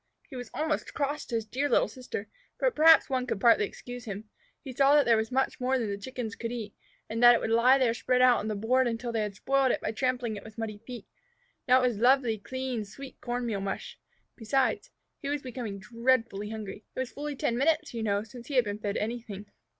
He was almost cross to his dear little sister, but perhaps one could partly excuse him. He saw that there was much more than the Chickens could eat, and that it would lie there spread out on the board until they had spoiled it all by trampling it with muddy feet. Now it was lovely, clean, sweet corn meal mush. Besides, he was becoming dreadfully hungry. It was fully ten minutes, you know, since he had been fed anything.